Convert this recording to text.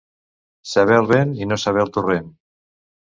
Saber el vent i no saber el torrent.